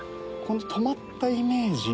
止まったイメージ。